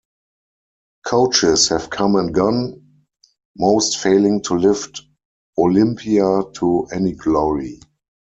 Coaches have come and gone, most failing to lift Olimpia to any glory.